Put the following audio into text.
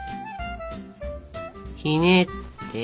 ひねって。